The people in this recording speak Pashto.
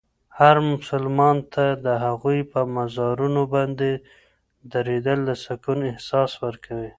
هر مسلمان ته د هغوی په مزارونو باندې درېدل د سکون احساس ورکوي.